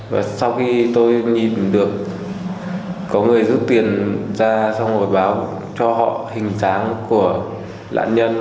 và sau khi tôi nhìn được có người rút tiền ra xong rồi báo cho họ hình dáng của lãn nhân